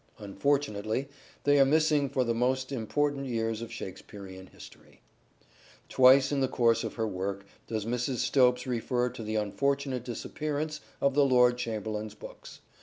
Unfortunately they are missing for the most important years of Shakespearean history." Twice in the course of her work does Mrs. Stopes refer to the unfortunate disappearance of the Lord Chamberlain's books.